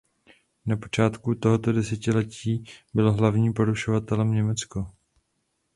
Na počátku tohoto desetiletí bylo hlavní porušovatelem Německo.